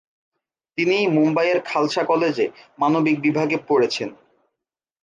তিনি মুম্বাইয়ের খালসা কলেজে মানবিক বিভাগে পড়েছেন।